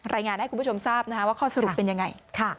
รายงานให้คุณผู้ชมทราบว่าข้อสรุปเป็นยังไง